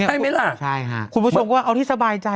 ใช่ไหมล่ะคุณผู้ชมก็ว่าเอาที่สบายใจนะคะ